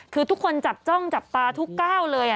คือทุกคนจับจ้องจับตาทุกก้าวเลย